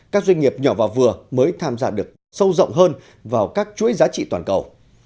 các doanh nghiệp nhỏ và vừa mới tham gia được sâu rộng hơn vào các chuỗi giá trị toàn cầu